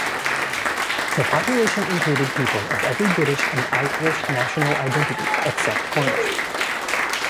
The population included people of every British and Irish national identity except Cornish.